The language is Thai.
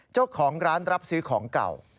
เจ้าของร้านรับซื้อของเก่า